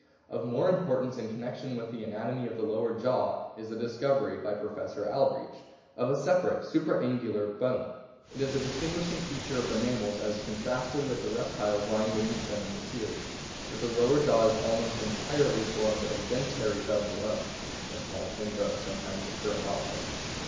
Of more importance in connection with the anatomy of the lower jaw is the discovery by Professor Albrecht of a separate supra angular bone. It is a distinguishing feature of the mammals, as contrasted with the reptiles lying beneath them in the series, that the lower jaw is almost entirely formed of a dentary bone alone (a small chin bone sometimes occurring also).